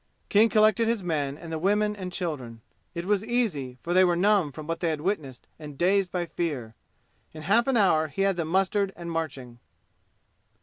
King collected his men and the women and children. It was easy, for they were numb from what they had witnessed and dazed by fear. In half an hour he had them mustered and marching.